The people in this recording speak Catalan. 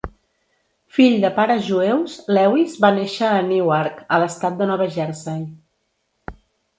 Fill de pares jueus, Lewis va néixer a Newark, a l'estat de Nova Jersey.